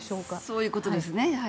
そういうことですね。